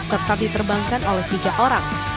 serta diterbangkan oleh tiga orang